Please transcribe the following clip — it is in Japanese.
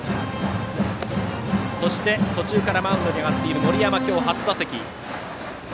そして途中からマウンドに上がっている森山。